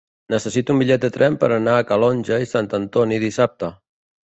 Necessito un bitllet de tren per anar a Calonge i Sant Antoni dissabte.